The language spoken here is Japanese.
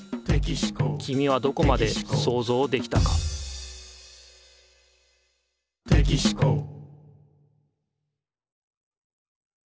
きみはどこまでそうぞうできたかその名も。テキシＱ。